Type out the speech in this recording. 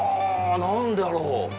何だろう？